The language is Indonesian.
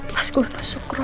pas gua masuk kruh